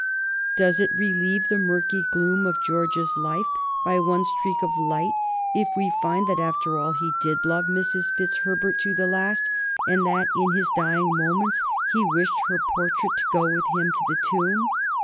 Does it relieve the murky gloom of George's life by one streak of light if we find that, after all, he did love Mrs. Fitzherbert to the last, and that in his dying moments he wished her portrait to go with him to the tomb?